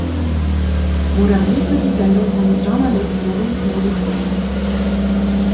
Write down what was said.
Moderiert wird die Sendung von Journalist Maurice Molitor.